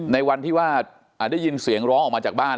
ในวันที่ว่าได้ยินเสียงร้องออกมาจากบ้าน